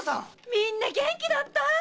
みんな元気だったぁ？